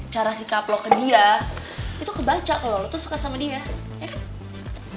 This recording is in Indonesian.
cara sikap lo ke dia itu kebaca kalau lo tuh suka sama dia eh